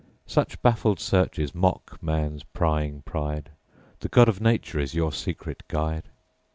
Such baffled searches mock man's prying pride, The God of Nature is your secret guide!